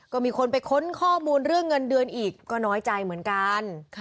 ก็มีคนไปค้นข้อมูลเรื่องเงินเดือนอีกก็น้อยใจเหมือนกัน